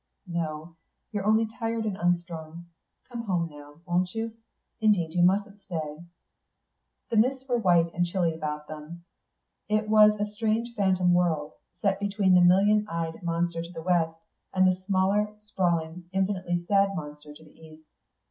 "No. You're only tired and unstrung. Come home now, won't you. Indeed you mustn't stay." The mists were white and chilly about them; it was a strange phantom world, set between the million eyed monster to the west, and the smaller, sprawling, infinitely sad monster to the east.